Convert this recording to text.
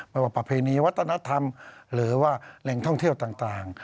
ว่าประเพณีวัฒนธรรมหรือว่าแหล่งท่องเที่ยวต่าง